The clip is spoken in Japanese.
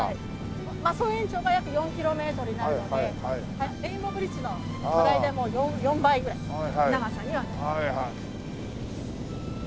総延長が約４キロメートルになるのでレインボーブリッジの大体４倍ぐらいの長さにはなります。